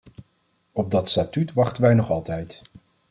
Op dat statuut wachten wij nog altijd.